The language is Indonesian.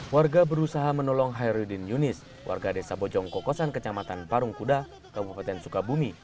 warga berusaha menolong hairudin yunis warga desa bojongkosan kecamatan parungkuda kabupaten sukabumi